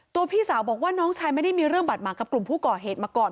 พี่สาวบอกว่าน้องชายไม่ได้มีเรื่องบาดหมางกับกลุ่มผู้ก่อเหตุมาก่อน